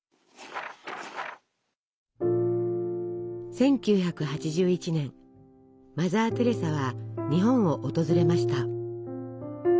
１９８１年マザー・テレサは日本を訪れました。